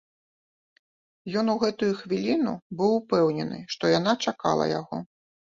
Ён у гэтую хвіліну быў упэўнены, што яна чакала яго.